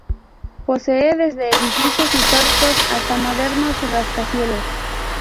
Posee desde edificios históricos hasta modernos rascacielos.